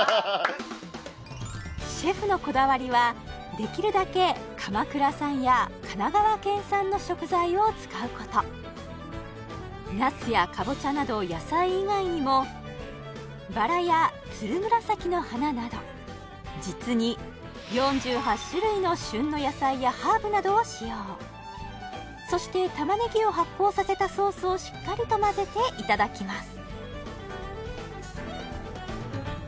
シェフのこだわりはできるだけ鎌倉産や神奈川県産の食材を使うことナスやカボチャなど野菜以外にもバラやツルムラサキの花など実に４８種類の旬の野菜やハーブなどを使用そしてタマネギを発酵させたソースをしっかりとまぜていただきます